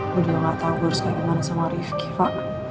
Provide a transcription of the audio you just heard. gue juga gak tau gue harus kemana mana sama rifki pak